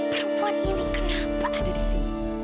perempuan ini kenapa ada di sini